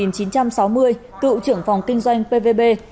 cựu trưởng phòng kinh doanh pvb